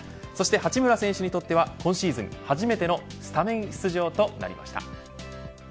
八村選手にとっては今シーズン初めてのスタメン出場となりました。